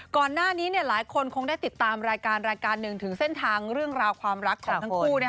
ก่อนหน้านี้หลายคนคงได้ติดตามรายการรายการหนึ่งถึงเส้นทางเรื่องราวความรักของทั้งคู่